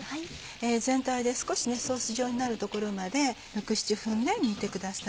全体で少しソース状になるところまで６７分煮てください。